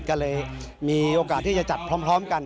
ก็เลยมีโอกาสที่จะจัดพร้อมกัน